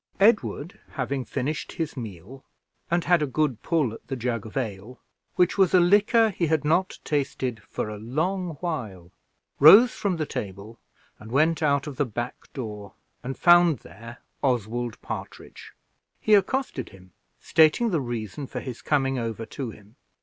Edward, having finished his meal, and had a good pull at the jug of ale, which was a liquor he had not tasted for a long while, rose from the table and went out of the back door, and found there Oswald Partridge. He accosted him, stating the reason for his coming over to him.